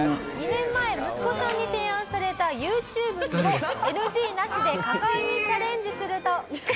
２年前息子さんに提案されたＹｏｕＴｕｂｅにもＮＧなしで果敢にチャレンジすると。